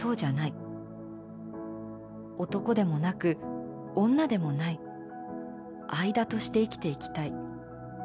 男でもなく女でもない間として生きていきたい。